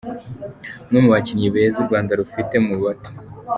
umwe mu bakinnyi beza u Rwanda rufite mu bato